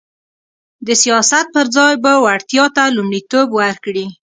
د سیاست پر ځای به وړتیا ته لومړیتوب ورکړي